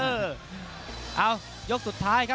โหโหโหโหโหโหโห